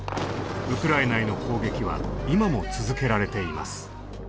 ウクライナへの攻撃は今も続けられています。